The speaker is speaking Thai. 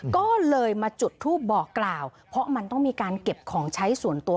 ก็เลยมาจุดทูปบอกกล่าวเพราะมันต้องมีการเก็บของใช้ส่วนตัว